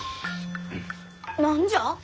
何じゃ？